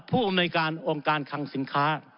ผู้อำนวยการองค์การคังสินค้า